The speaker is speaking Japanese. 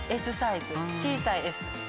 小さい「Ｓ」「イ」。